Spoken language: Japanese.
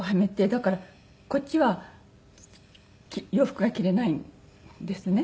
だからこっちは洋服が着れないんですね。